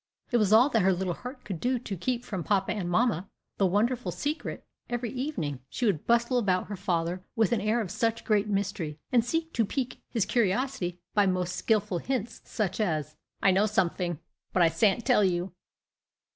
It was all that her little heart could do to keep from papa and mamma the wonderful secret. Every evening she would bustle about her father with an air of such great mystery, and seek to pique his curiosity by most skilful hints, such as, "I know somefing! but I s'ant tell you."